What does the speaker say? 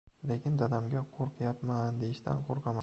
Lekin dadamga «qo‘rqyapman» deyishdan qo‘rqaman.